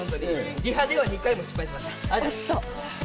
リハでは２回失敗しました。